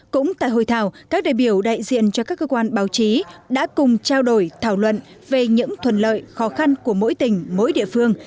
cũng tại hội thảo các đại biểu đại diện cho các cơ quan báo chí đã cùng trao đổi thảo luận về những thuần lợi khó khăn của mỗi tỉnh mỗi địa phương